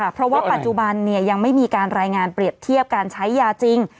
เพราะว่าปัจจุบันยังไม่มีการรายงานเปรียบเทียบการใช้ยาจริง